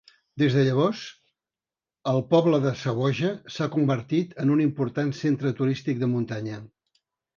Des de llavors, el poble de Zawoja s'ha convertit en un important centre turístic de muntanya.